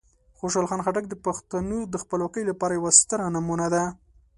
خوشحال خان خټک د پښتنو د خپلواکۍ لپاره یوه ستره نمونه ده.